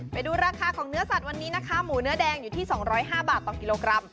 ไปดูราคาของเนื้อสัตว์วันนี้นะคะหมูเนื้อแดงอยู่ที่๒๐๕บาทต่อกิโลกรัม